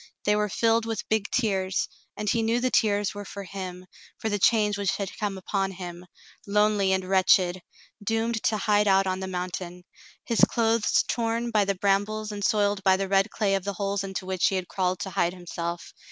They were filled with big tears, and he knew the tears were for him, for the change which had come upon him, lonely and wretched, doomed to hide out on the mountain, his clothes torn by the brambles and soiled by the red clay of the holes into which he had crawled to hide himself.